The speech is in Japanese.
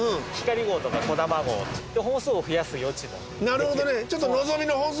なるほどね。